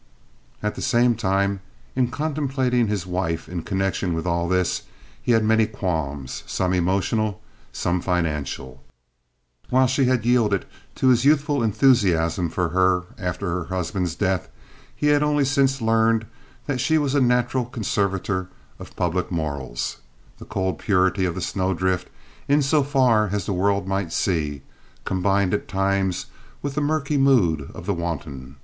At the same time, in contemplating his wife in connection with all this, he had many qualms, some emotional, some financial. While she had yielded to his youthful enthusiasm for her after her husband's death, he had only since learned that she was a natural conservator of public morals—the cold purity of the snowdrift in so far as the world might see, combined at times with the murky mood of the wanton.